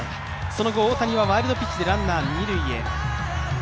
その後大谷はワイルドピッチでランナー二塁へ。